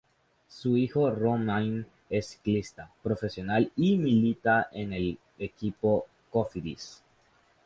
Su hijo Romain es ciclista profesional y milita en el equipo Cofidis.